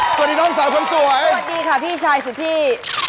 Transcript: สวัสดีค่ะพี่ไช่สุทธี